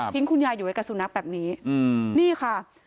คุณยายอยู่ไว้กับสุนัขแบบนี้นี่ค่ะ